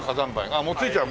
あっもう着いちゃう。